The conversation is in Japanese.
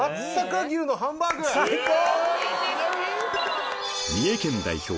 最高！